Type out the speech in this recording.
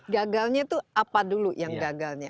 gagalnya itu apa dulu yang gagalnya